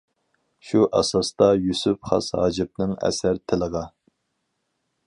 شۇ ئاساستا يۈسۈپ خاس ھاجىپنىڭ ئەسەر تىلىغا.